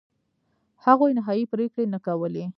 هغوی نهایي پرېکړې نه کولې.